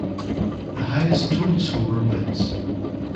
The highest total score wins.